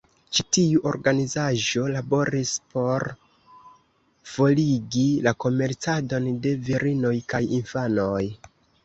Ĉi tiu organizaĵo laboris por forigi la komercadon de virinoj kaj infanoj.